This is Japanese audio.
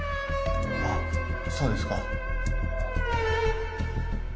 あっそうですか。